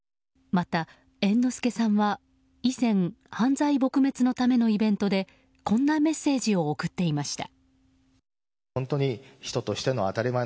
また、猿之助さんは以前犯罪撲滅のためのイベントで、こんなメッセージを送っていました。